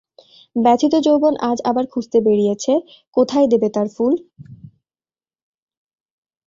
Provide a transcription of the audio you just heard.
ব্যথিত যৌবন আজ আবার খুঁজতে বেরিয়েছে, কোথায় দেবে তার ফুল!